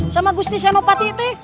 sama gusti senopati teh